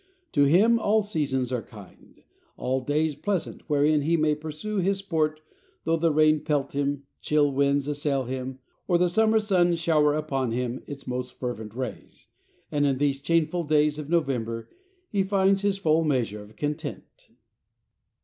To him all seasons are kind, all days pleasant, wherein he may pursue his sport, though the rain pelt him, chill winds assail him, or the summer sun shower upon him its most fervent rays, and in these changeful days of November he finds his full measure of content.